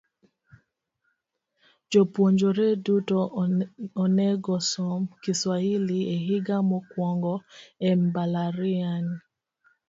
Jopuonjre duto onegosom Kiswahili e higa mokwongo e mbalariany .